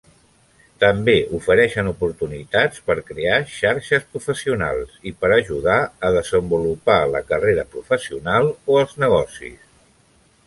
També ofereixen oportunitats per crear xarxes professionals i per ajudar a desenvolupar la carrera professional o els negocis.